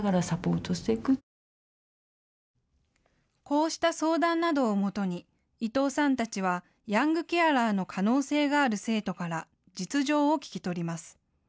こうした相談などをもとに伊藤さんたちはヤングケアラーの可能性がある生徒から実情を聞き取ります。